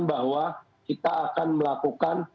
bahwa kita akan melakukan